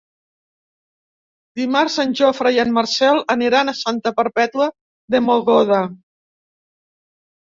Dimarts en Jofre i en Marcel aniran a Santa Perpètua de Mogoda.